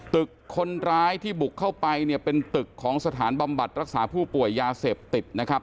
ตึกคนร้ายที่บุกเข้าไปเนี่ยเป็นตึกของสถานบำบัดรักษาผู้ป่วยยาเสพติดนะครับ